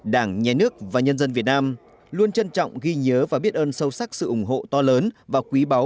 đảng nhà nước và nhân dân việt nam luôn trân trọng ghi nhớ và biết ơn sâu sắc sự ủng hộ to lớn và quý báu